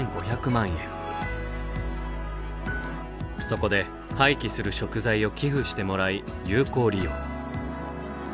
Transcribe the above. そこで廃棄する食材を寄付してもらい有効利用。